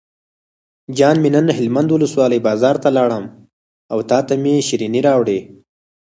جان مې نن هلمند ولسوالۍ بازار ته لاړم او تاته مې شیرینۍ راوړې.